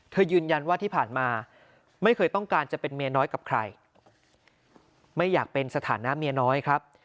ยืนยันว่าที่ผ่านมาไม่เคยต้องการจะเป็นเมียน้อยกับใครไม่อยากเป็นสถานะเมียน้อยครับ